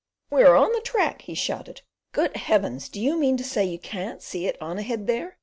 "We're on the track," he shouted. "Good Heavens I do you mean to say you can't see it on ahead there?"